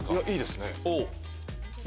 いいですね。